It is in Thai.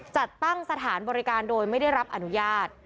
จัดตั้งสถานบริการโดยไม่ได้รับอนุญาต